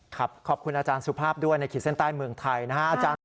ขอบคุณอาจารย์สุภาพด้วยในขีดเส้นใต้เมืองไทยนะฮะ